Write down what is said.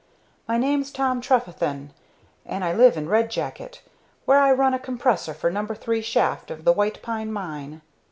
My name's Tom Trefethen, and I live in Red Jacket, where I run a compressor for No. 3 shaft of the White Pine Mine.